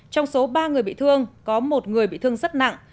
trong số ba người bị thương có một người bị thương rất nặng